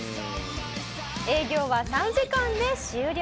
「営業は３時間で終了」